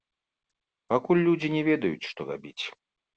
Пакуль людзі не ведаюць, што рабіць.